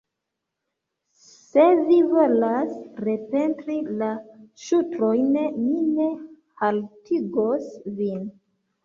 Se vi volas repentri la ŝutrojn, mi ne haltigos vin.